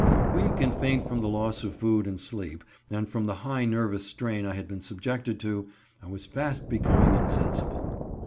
Weak and faint from the loss of food and sleep, and from the high nervous strain I had been subjected to, I was fast becoming insensible.